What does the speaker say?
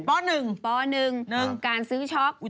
ป๑อุ๊ยตาย